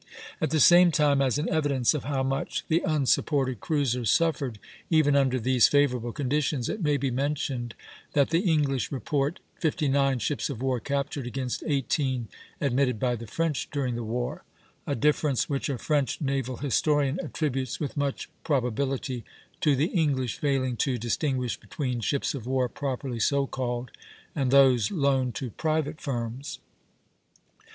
At the same time, as an evidence of how much the unsupported cruisers suffered, even under these favorable conditions, it may be mentioned that the English report fifty nine ships of war captured against eighteen admitted by the French during the war, a difference which a French naval historian attributes, with much probability, to the English failing to distinguish between ships of war properly so called, and those loaned to private firms.